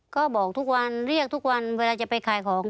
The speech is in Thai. ก็บอกทุกวันเรียกทุกวันเวลาจะไปขายของ